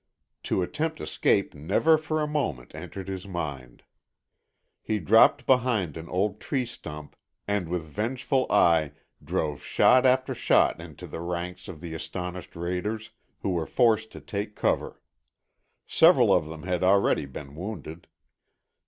To attempt escape never for a moment entered his mind. He dropped behind an old tree stump and with vengeful eye drove shot after shot into the ranks of the astonished raiders, who were forced to take cover. Several of them had already been wounded.